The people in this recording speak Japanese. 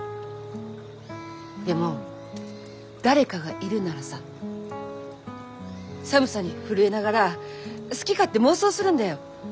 でも誰かがいるならさ寒さに震えながら好き勝手妄想するんだよ。